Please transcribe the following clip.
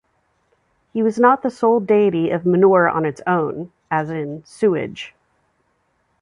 He was not the sole deity of manure on its own; as in, sewage.